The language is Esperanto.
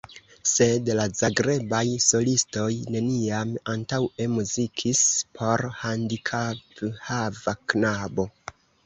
Sed la Zagrebaj solistoj neniam antaŭe muzikis por handikaphava knabo.